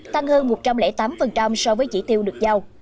tăng hơn một trăm linh tám so với chỉ tiêu được giao